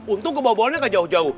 untung kebawa balonnya gak jauh jauh